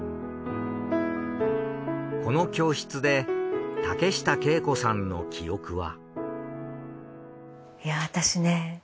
この教室で竹下景子さんの記憶は。